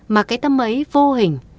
mà cái tâm ấy vô hình